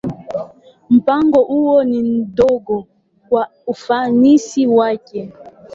Mpango huo ni mdogo kwa ufanisi wake.